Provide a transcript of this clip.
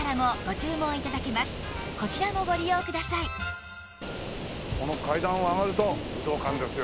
またこの階段を上がると武道館ですよ。